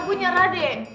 gue nyerah deh